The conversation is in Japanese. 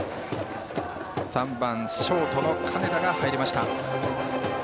３番、ショートの金田が入りました。